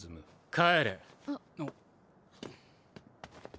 帰れ。